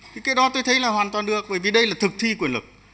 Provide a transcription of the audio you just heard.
thì cái đó tôi thấy là hoàn toàn được bởi vì đây là thực thi quyền lực